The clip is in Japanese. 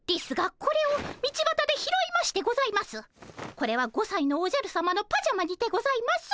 これは５さいのおじゃるさまのパジャマにてございます。